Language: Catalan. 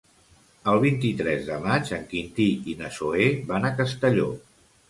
El vint-i-tres de maig en Quintí i na Zoè van a Castelló.